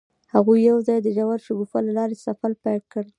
هغوی یوځای د ژور شګوفه له لارې سفر پیل کړ.